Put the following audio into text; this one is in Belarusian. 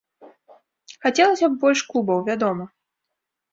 Хацелася б больш клубаў, вядома.